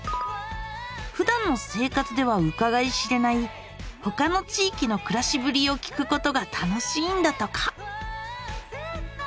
ふだんの生活ではうかがい知れない他の地域のくらしぶりを聞くことが楽しいんだとか。